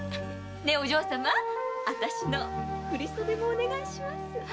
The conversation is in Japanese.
お嬢様私の振袖もお願いします。